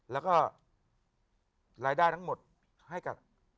แล้วก็รายได้ทั้งหมดให้กับ